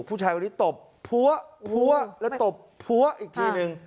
ผู้ชายคนนี้ตบพัวพัวแล้วตบพัวอีกทีนึง